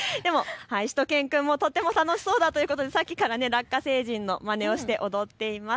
しゅと犬くんもとても楽しそうだということでさっきからラッカ星人のまねをして踊っています。